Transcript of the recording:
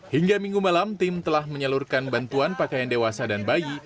hingga minggu malam tim telah menyalurkan bantuan pakaian dewasa dan bayi